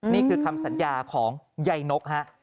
นี่คือคำสัญญาของย่ายนก